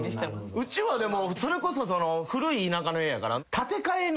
うちはでもそれこそ古い田舎の家やから。